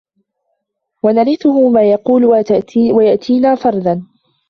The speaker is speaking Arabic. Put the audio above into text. وَنَرِثُهُ مَا يَقُولُ وَيَأْتِينَا فَرْدًا